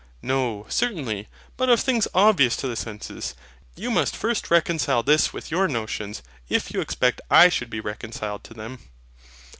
No, certainly; but of things obvious to the senses. You must first reconcile this with your notions, if you expect I should be reconciled to them.